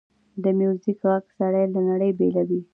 د میوزیک ږغ سړی له نړۍ بېلوي.